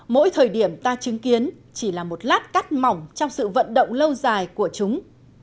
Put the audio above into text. mỗi thời điểm ta chứng kiến chỉ là một lát cắt mỏng trong sự vận động lâu dài của chúng